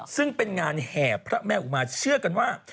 ซึ่งเป็นงานแห่พระแม่อุมาเชื่อกันว่า